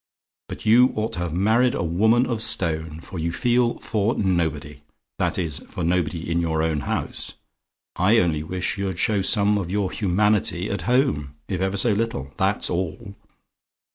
But you ought to have married a woman of stone, for you feel for nobody: that is, for nobody in your own house. I only wish you'd show some of your humanity at home, if ever so little that's all.